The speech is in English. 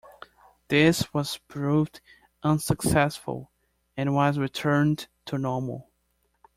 This was proved unsuccessful and was returned to normal.